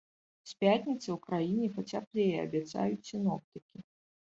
З пятніцы ў краіне пацяплее, абяцаюць сіноптыкі.